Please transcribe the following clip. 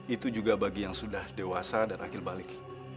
itu juga bagi yang sudah dewasa dan akhir balik